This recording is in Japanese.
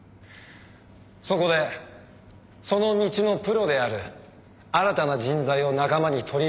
そこでその道のプロである新たな人材を仲間に取り入れたいと思います。